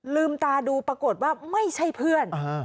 ลืมตาดูปรากฏว่าไม่ใช่เพื่อน